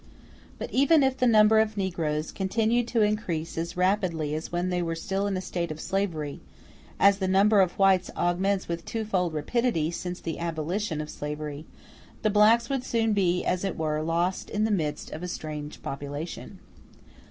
] But even if the number of negroes continued to increase as rapidly as when they were still in a state of slavery, as the number of whites augments with twofold rapidity since the abolition of slavery, the blacks would soon be, as it were, lost in the midst of a strange population.